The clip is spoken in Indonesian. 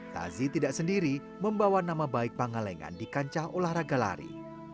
tazi tidak sendiri membawa nama baik pangalengan di kancah olahraga lari